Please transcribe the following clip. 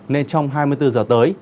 nên trong hai mươi bốn giờ tới